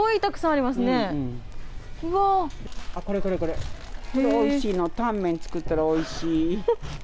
あっ、これこれこれ、これおいしいの、タンメン作ったらおいしい。